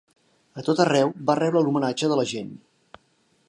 A tot arreu va rebre l'homenatge de la gent.